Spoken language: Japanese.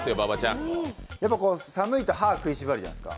寒いと歯食いしばるじゃないですか